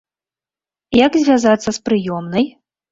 Як звязацца з прыёмнай?